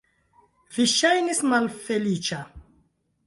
Vi ŝajnis malfeliĉa.